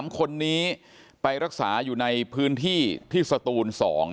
๓คนนี้ไปรักษาอยู่ในพื้นที่ที่สตูน๒